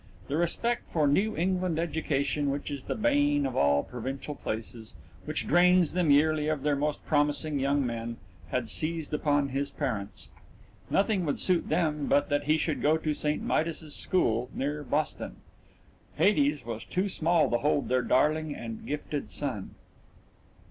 That respect for a New England education which is the bane of all provincial places, which drains them yearly of their most promising young men, had seized upon his parents. Nothing would suit them but that he should go to St. Midas's School near Boston Hades was too small to hold their darling and gifted son.